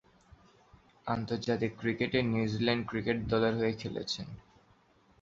আন্তর্জাতিক ক্রিকেটে New Zealand cricket দলের হয়ে খেলেছেন।